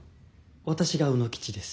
私が卯之吉です。